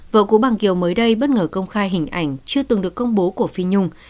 vợ cú bằng kiều mới đây bất ngờ công khai hình ảnh chưa từng được công bố của phi nhung